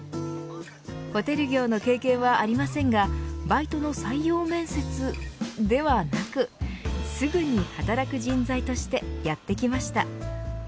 ホテル業の経験はありませんがバイトの採用面接ではなくすぐに働く人材としてやって来ました。